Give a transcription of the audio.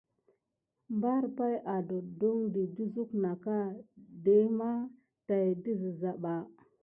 Mbar pay atondi de suk nà ka dema tät didaza.